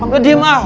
angga diem ah